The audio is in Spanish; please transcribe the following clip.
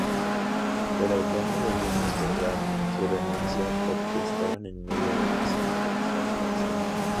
Pero Ocaña debió postergar su renuncia porque estaban en medio de elecciones legislativas.